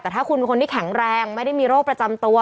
แต่ถ้าคุณเป็นคนที่แข็งแรงไม่ได้มีโรคประจำตัว